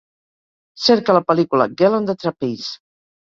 Cerca la pel·lícula "Girl on the Trapeze"